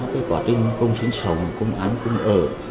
không sinh sống không án không ở